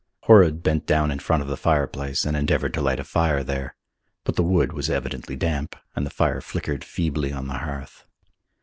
Horrod bent down in front of the fireplace and endeavoured to light a fire there. But the wood was evidently damp and the fire flickered feebly on the hearth.